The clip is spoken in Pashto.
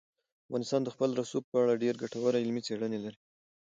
افغانستان د خپل رسوب په اړه ډېرې ګټورې علمي څېړنې لري.